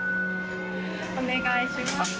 お願いします。